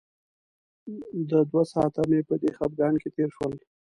د دوه ساعته مې په دې خپګان کې تېر شول.